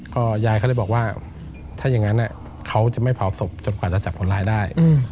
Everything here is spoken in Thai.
ก็ยายเขาเลยบอกว่าถ้าอย่างนั้นเขาจะไม่เผาศพจนกว่าจะจับคนร้ายได้